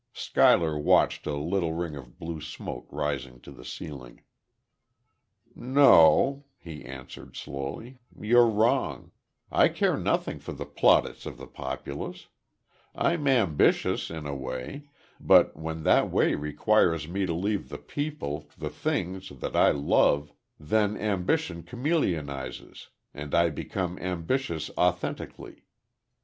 Schuyler watched a little ring of blue smoke rising to the ceiling. "No," he answered, slowly, "you're wrong. I care nothing for the plaudits of the populace. I'm ambitious, in a way; but when that way requires me to leave the people the things that I love, then ambition chameleonizes and I become ambitious antithetically.